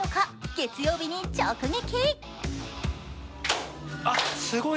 月曜日に直撃。